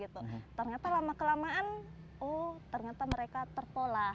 ternyata lama kelamaan oh ternyata mereka terpola